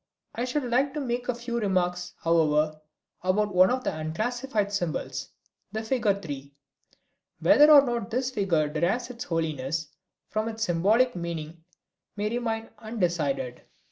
I should like to make a few remarks, however, about one of the unclassified symbols the figure 3. Whether or not this figure derives its holiness from its symbolic meaning may remain undecided.